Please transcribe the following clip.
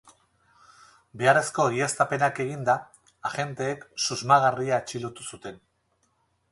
Beharrezko egiaztapenak eginda, agenteek susmagarria atxilotu zuten.